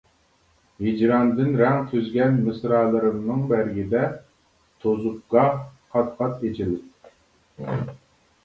ھىجراندىن رەڭ تۈزگەن مىسرالىرىمنىڭ بەرگىدە توزۇپ گاھ، قات-قات ئېچىلىپ.